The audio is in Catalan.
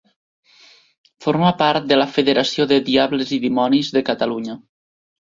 Forma part de la Federació de Diables i Dimonis de Catalunya.